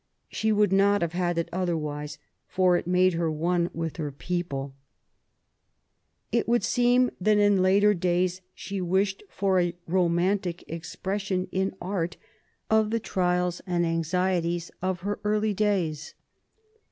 She would not have had it other wise, for it made her one with her people. THE YOUTH OF ELIZABETH. 43 It would seem that, in later days, she wished for a romantic expression in art of the trials and anxieties of her early days.